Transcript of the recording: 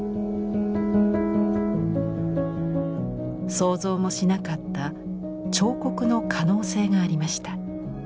想像もしなかった彫刻の可能性がありました。